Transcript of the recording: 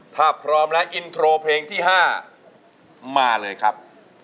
ถ้าพร้อมแล้วอินโทรเพลงที่๕มาเลยครับ